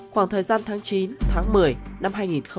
khoảng thời gian tháng chín tháng một mươi năm hai nghìn hai mươi hai